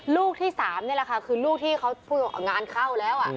ลูกที่๓นี่แหละค่ะคือลูกที่เขางานเข้าแล้ว